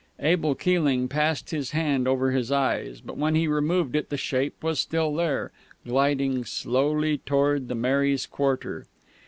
Abel Keeling passed his hand over his eyes, but when he removed it the shape was still there, gliding slowly towards the Mary's quarter.